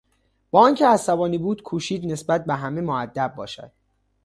با آنکه عصبانی بود کوشید نسبت به همه مودب باشد.